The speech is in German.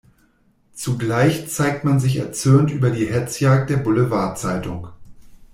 Zugleich zeigte man sich erzürnt über die Hetzjagd der Boulevard-Zeitung.